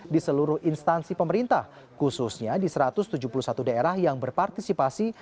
di seluruh instansi pemerintah khususnya di satu ratus tujuh puluh satu daerah yang berpartisipasi